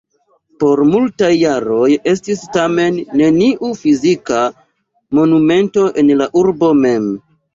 Por multaj jaroj estis, tamen, neniu fizika monumento en la urbo mem.